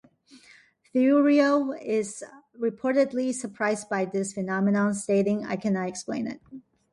Theuriau is reportedly surprised by this phenomenon, stating, I cannot explain it...